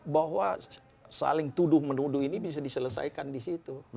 bahwa saling tuduh menuduh ini bisa diselesaikan di situ